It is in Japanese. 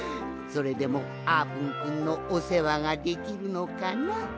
それでもあーぷんくんのおせわができるのかな？